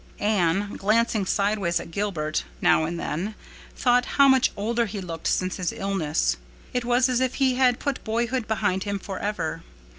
Anne, glancing sideways at Gilbert, now and then, thought how much older he looked since his illness. It was as if he had put boyhood behind him forever.